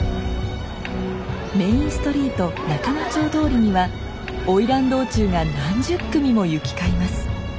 メインストリート仲之町通りには花魁道中が何十組も行き交います。